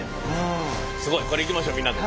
すごいこれいきましょうみんなで。